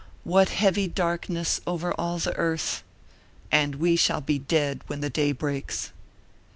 What heavy darkness over all the earth! And we shall be dead when the day breaks."